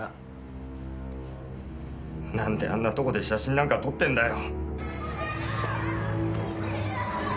なんであんなとこで写真なんか撮ってんだよ。